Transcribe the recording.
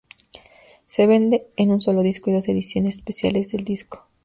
Se vende en un solo disco y dos ediciones especiales del disco.